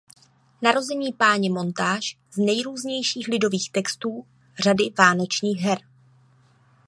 Narození Páně Montáž z nejrůznějších lidových textů řady vánočních her.